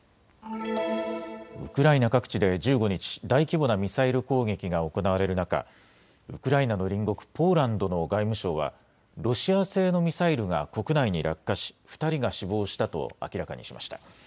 ウクライナ各地で１５日、大規模なミサイル攻撃が行われる中、ウクライナの隣国ポーランドの外務省はロシア製のミサイルが国内に落下し２人が死亡したと明らかにしました。